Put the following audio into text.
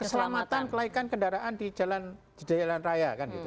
keselamatan kelaikan kendaraan di jalan raya kan gitu